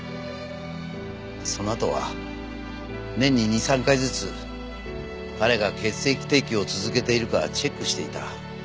そのあとは年に２３回ずつ彼が血液提供を続けているかチェックしていた。